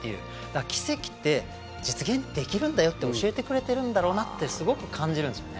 奇跡って、実現できるんだよって教えてくれてるんだろうなってすごく感じるんですよね。